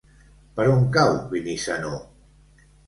Per on cau Benissanó?